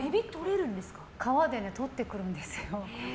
川でとってくるんですよ。